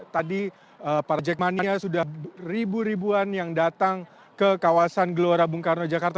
tadi para jackmania sudah ribu ribuan yang datang ke kawasan gelora bung karno jakarta